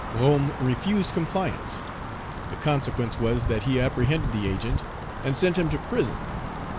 Roume refused compliance. The consequence was, that he apprehended the Agent, and sent him to prison.